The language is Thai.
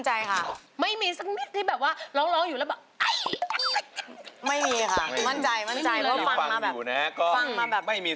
ให้เรารักอยู่ร่วมนี้